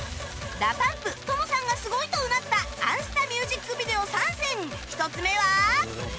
ＤＡＰＵＭＰＴＯＭＯ さんがすごいとうなった『あんスタ』ミュージックビデオ３選１つ目は